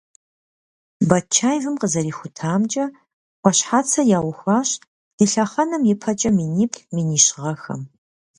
Батчаевым къызэрихутамкӀэ, Ӏуащхьацэ яухуащ ди лъэхъэнэм ипэкӀэ миниплӏ - минищ гъэхэм.